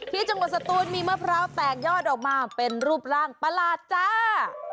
ที่จังหวัดสตูนมีมะพร้าวแตกยอดออกมาเป็นรูปร่างประหลาดจ้า